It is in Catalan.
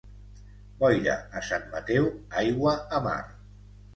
Boira a Sant Mateu, aigua a mar.